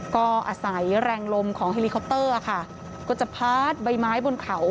ก็อาศัยแรงลมของเฮลิคอปเตอร์ค่ะก็จะพาร์ทใบไม้บนเขา